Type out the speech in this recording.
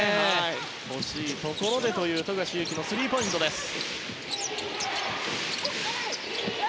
欲しいところで富樫勇樹のスリーポイントでした。